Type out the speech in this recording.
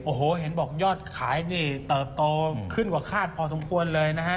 โอ้โหเห็นบอกยอดขายนี่เติบโตขึ้นกว่าคาดพอสมควรเลยนะฮะ